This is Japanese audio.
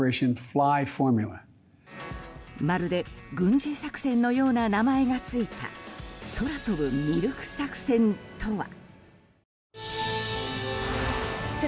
まるで軍事作戦のような名前が付いた空飛ぶミルク作戦とは？